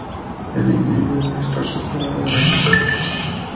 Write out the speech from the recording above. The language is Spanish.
El individuo debe estar separado del objetivo.